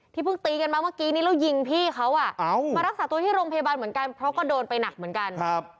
ที่เพิ่งตีเกิดเมื่อกี้แล้วยิงพี่เขามารักษาตัวที่โรงพยาบาลเพราะเกิดโดนไปหนักเหมือนกัน